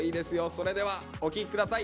それではお聴き下さい。